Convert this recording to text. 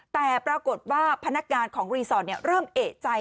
แต่ปรากฏว่าพนักงานของรีสอร์ทเริ่มเอกใจ